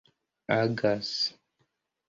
agas